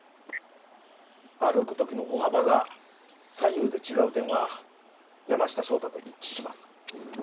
歩く時の歩幅が左右で違う点は山下翔太と一致します。